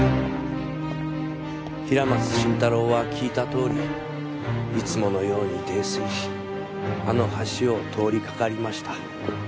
平松伸太郎は聞いたとおりいつものように泥酔しあの橋を通りかかりました。